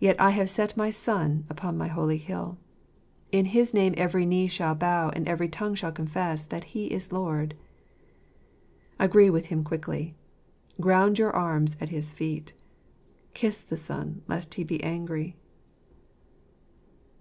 "Yet have I set my Son upon my holy hill." " In his name every knee shall bow, and every tongue shall confess that He is Lord." Agree with Him quickly. Ground your arms at his feet. " Kiss the Son, lest He be angry."